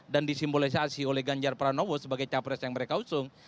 dan disimbolisasi oleh ganjar pranowo sebagai capres yang mereka usung